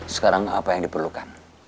sekarang apa yang diperlukan